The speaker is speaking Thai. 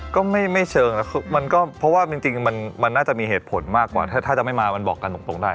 ก็ไม่เชิงแล้วมันก็เพราะว่าจริงมันน่าจะมีเหตุผลมากกว่าถ้าจะไม่มามันบอกกันตรงได้